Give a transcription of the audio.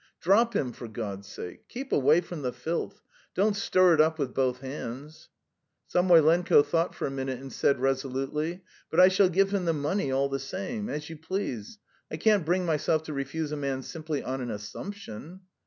Drop him, for God's sake! Keep away from the filth; don't stir it up with both hands!" Samoylenko thought for a minute and said resolutely: "But I shall give him the money all the same. As you please. I can't bring myself to refuse a man simply on an assumption."